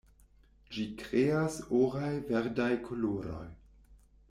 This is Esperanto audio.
Ĝi kreas oraj-verdaj koloroj.